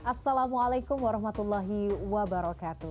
assalamualaikum warahmatullahi wabarakatuh